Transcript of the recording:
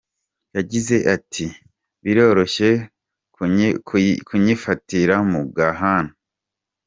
Yagize ati: "Biroroshe kunyifatira mu gahanga.